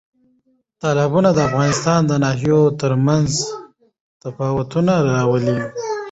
تالابونه د افغانستان د ناحیو ترمنځ تفاوتونه راولي.